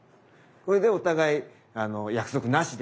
これでお互い約束なしで。